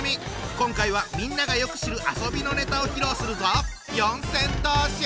今回はみんながよく知る遊びのネタを披露するぞ！